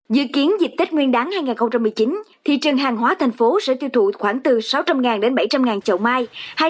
dự kiến dịp tết nguyên đáng hai nghìn một mươi chín thị trường hàng hóa thành phố sẽ tiêu thụ khoảng từ sáu trăm linh đến bảy trăm linh chậu mai